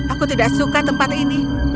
aku tidak suka tempat ini